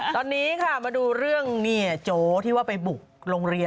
ตอนนี้ค่ะมาดูเรื่องโจ๊ที่ว่าไปบุกโรงเรียน